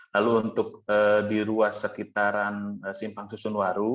lalu untuk di ruas sekitaran simpang susunwaru